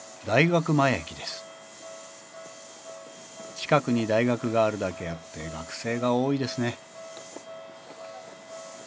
近くに大学があるだけあって学生が多いですね